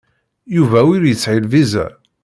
Yuba ur yesɛi lviza.